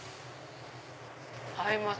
合います。